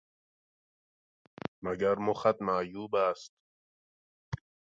مگر مخت معیوب است!